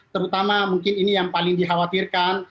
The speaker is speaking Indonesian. terutama mungkin ini yang paling dikhawatirkan